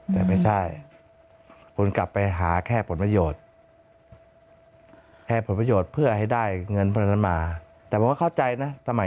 แต่ไม่ใช่คุณกลับไปหาแค่ผลประโยชน์เมื่อให้ได้เงินพนันมาแต่ผมก็เข้าใจนะ